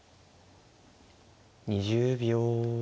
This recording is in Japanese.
２０秒。